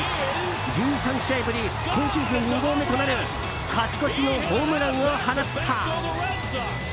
１３試合ぶりの今シーズン２号目となる勝ち越しのホームランを放った！